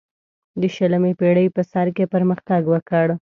د شلمې پیړۍ په سر کې پرمختګ وکړ.